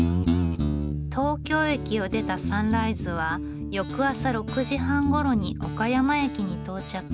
東京駅を出たサンライズは翌朝６時半ごろに岡山駅に到着。